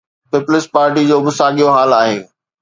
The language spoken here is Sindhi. پيپلز پارٽيءَ جو به ساڳيو حال آهي.